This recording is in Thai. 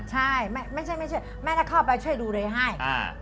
ใช่ไม่ใช่ไม่ใช่แม่จะเข้าไปช่วยดูแลให้